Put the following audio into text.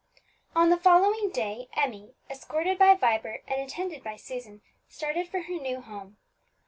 On the following day Emmie, escorted by Vibert and attended by Susan, started for her new home.